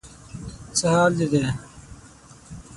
څه حال دې دی؟